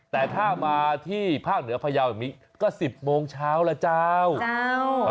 แต่ถ้ามาที่ภาคเหนือพะเยาว์อย่างนี้ก็๑๐โมงเช้าล่ะเจ้า